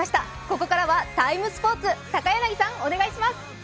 ここからは「ＴＩＭＥ，スポーツ」高柳さんお願いします。